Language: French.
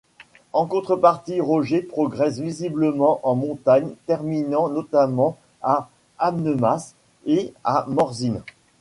En contrepartie, Rogers progresse visiblement en montagne, terminant notamment à Annemasse et à Morzine.